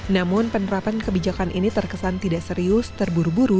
namun penerapan kebijakan ini terkesan tidak serius terburu buru